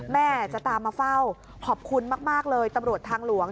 แม่จะตามมาเฝ้าขอบคุณมากเลยตำรวจทางหลวง